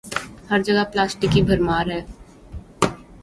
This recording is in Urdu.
ہر جگہ پلاسٹک کی بھرمار ہے۔